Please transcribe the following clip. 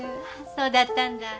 そうだったんだ。